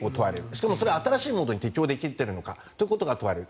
しかも新しいモードに適用できているかというのが問われる。